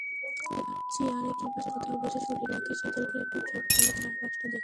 চেয়ারে কিংবা কোথাও বসে শরীরটাকে শিথিল করে একটু চোখ মেলে চারপাশটাকে দেখুন।